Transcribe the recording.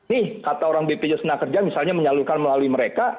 nih kata orang bpjs tenaga kerja misalnya menyalurkan melalui mereka